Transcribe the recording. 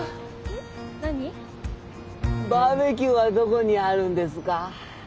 バーベキューはどこにあるんですか？